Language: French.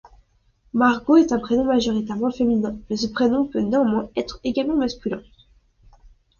Margot est un prénom majoritairement féminin, mais ce prénom peut néanmoins être également masculin.